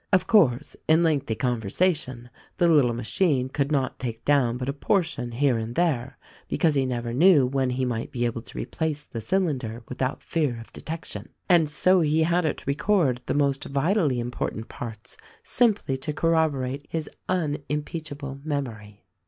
Of course, in lengthy conversation, the little machine could not take down but a portion here and there because he never knew when he might be able to replace the cylinder without fear of detection, and so he had it record the most vitally important parts, simply to corroborate his unimpeachable memory."